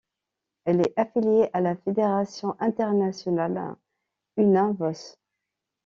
Elle est affiliée à la fédération internationale Una Voce.